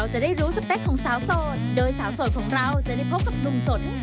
จะถูกใจสาวโสดของเราขนาดไหน